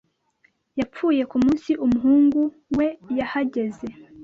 Yapfuye ku munsi umuhungu we yahageze.